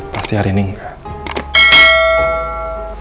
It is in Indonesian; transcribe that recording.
pasti hari ini enggak